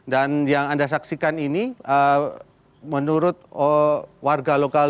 dan yang anda saksikan ini menurut warga lokasi